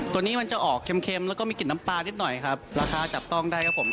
ตัวนี้มันจะออกเค็มแล้วก็มีกลิ่นน้ำปลานิดหน่อยครับราคาจับต้องได้ครับผม